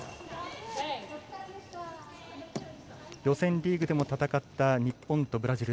予選リーグでも戦った日本とブラジル。